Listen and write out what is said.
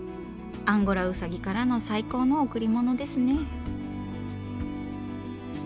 アンゴラウサギからの最高の贈り物ですね。